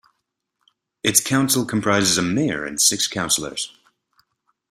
Its council comprises a mayor and six councillors.